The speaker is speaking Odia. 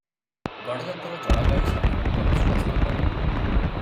ଗଡ଼ଜାତର ଜଳବାୟୁ ସାଧାରଣତଃ ଅସ୍ୱାସ୍ଥ୍ୟକର ।